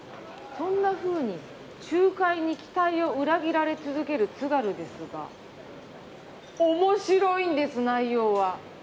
そんなふうに注解に期待を裏切られ続ける「津軽」ですが面白いんです内容は。